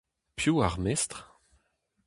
Piv ar mestr ?